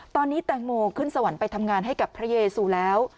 ตอนนี้แตงโมขึ้นสวรรค์ไปทำงานให้กับพระเยซูแล้ว